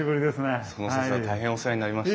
その節は大変お世話になりました。